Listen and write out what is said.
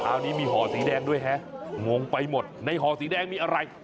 อันนี้มีห่อสีแดงด้วยฮะงงไปหมดในห่อสีแดงมีอะไร